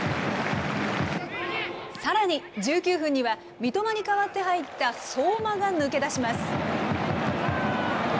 さらに１９分には三笘に代わって入った相馬が抜け出します。